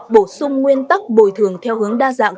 bổ sung nguyên tắc bồi thường theo hướng đa dạng